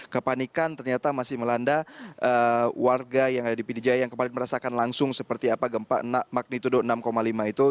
kepanikan ternyata masih melanda warga yang ada di pdjaya yang kemarin merasakan langsung seperti apa gempa magnitudo enam lima itu